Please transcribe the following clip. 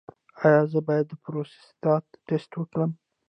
ایا زه باید د پروستات ټسټ وکړم؟